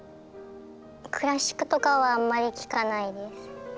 クラシックとかはあんまり聴かないです。